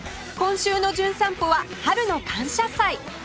今週の『じゅん散歩』は春の感謝祭